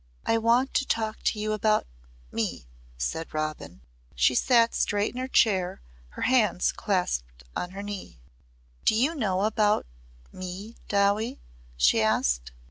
"I want to talk to you about me," said Robin. She sat straight in her chair, her hands clasped on her knee. "Do you know about me, Dowie?" she asked.